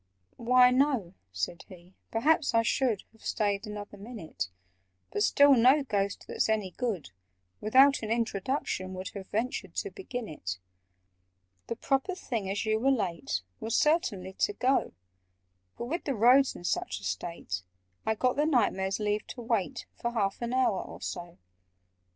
"Why, no," said he; "perhaps I should Have stayed another minute— But still no Ghost, that's any good, Without an introduction would Have ventured to begin it. "The proper thing, as you were late, Was certainly to go: But, with the roads in such a state, I got the Knight Mayor's leave to wait For half an hour or so."